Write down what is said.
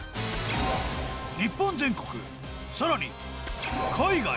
日本全国さらに海外。